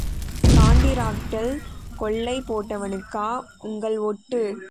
காண்டிராக்ட்ல கொள்ளை போட்டவனுக்கா உங்கள் ஒட்டு?